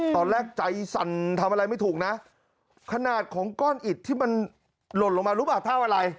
ตอนแรกใจสั่นทำอะไรไม่ถูกนะขนาดของก้อนอิดที่มันหล่นลงมารู้ป่ะเท่าอะไร